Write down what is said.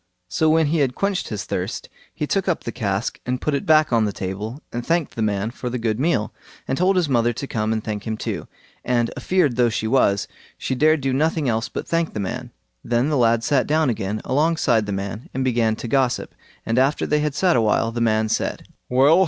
So when he had quenched his thirst, he took up the cask and put it back on the table, and thanked the man for the good meal, and told his mother to come and thank him too, and a feared though she was, she dared do nothing else but thank the man. Then the lad sat down again alongside the man and began to gossip, and after they had sat a while, the man said, "Well!